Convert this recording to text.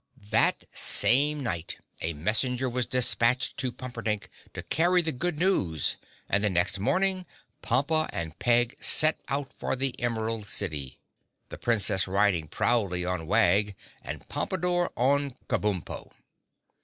That same night a messenger was dispatched to Pumperdink to carry the good news and the next morning Pompa and Peg set out for the Emerald City, the Princess riding proudly on Wag and Pompadore on Kabumpo.